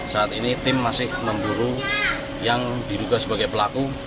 saat ini tim masih memburu yang diduga sebagai pelaku